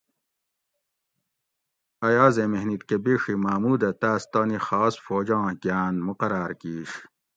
ایازیں محنت کہ بیڛی محمود ھہ تاس تانی خاص فوجاں گان مقرار کیِش